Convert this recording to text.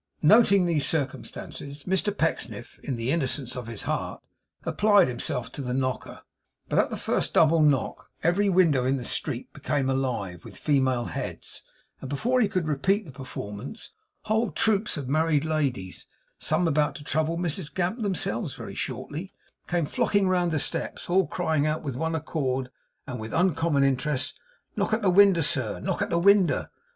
Noting these circumstances, Mr Pecksniff, in the innocence of his heart, applied himself to the knocker; but at the first double knock every window in the street became alive with female heads; and before he could repeat the performance whole troops of married ladies (some about to trouble Mrs Gamp themselves very shortly) came flocking round the steps, all crying out with one accord, and with uncommon interest, 'Knock at the winder, sir, knock at the winder.